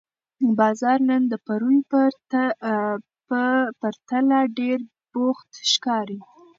بازار نن د پرون په پرتله ډېر بوخت ښکاري